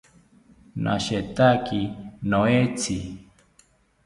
Nashetaki noetzi